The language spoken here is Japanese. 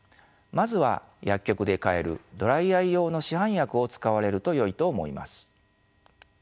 まずは薬局で買えるドライアイ用の市販薬を使われるとよいと思います。